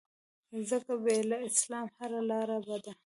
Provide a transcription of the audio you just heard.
ځکه بې له اسلام هره لاره بده